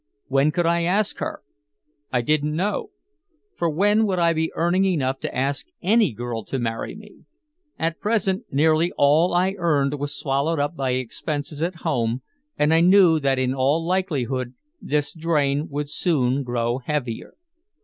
When could I ask her? I didn't know. For when would I be earning enough to ask any girl to marry me? At present nearly all I earned was swallowed up by expenses at home, and I knew that in all likelihood this drain would soon grow heavier.